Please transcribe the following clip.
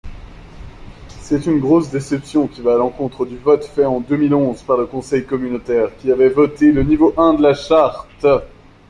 C’est une grosse déception qui va à l’encontre du vote fait en deux mille onze par le conseil communautaire qui avait voté le niveau un de la charte.